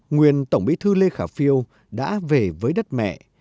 nguyên tổng bí thư lê khả phiêu đã về với đất mẹ